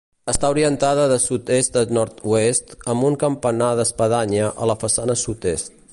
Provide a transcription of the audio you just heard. Està orientada de sud-est a nord-oest, amb un campanar d'espadanya a la façana sud-est.